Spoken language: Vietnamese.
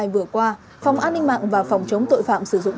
vụ an ninh mạng và phòng chống tội phạm sử dụng